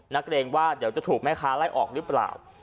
เกรงว่าเดี๋ยวจะถูกแม่ค้าไล่ออกหรือเปล่า